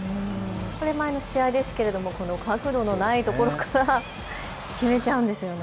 前の試合ですけれど角度のないところから決めちゃうんですよね。